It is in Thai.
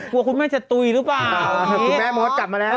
กลัวคุณแม่จะตุ๋ยหรือเปล่า